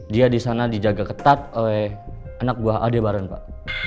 dia di sana dijaga ketat oleh anak buah ade bareng pak